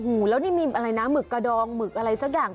โอ้โหแล้วนี่มีอะไรนะหมึกกระดองหมึกอะไรสักอย่าง